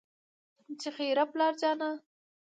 چې خېره پلار جانه